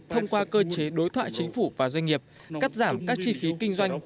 thông qua cơ chế đối thoại chính phủ và doanh nghiệp cắt giảm các chi phí kinh doanh